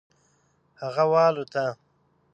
هغه والوته.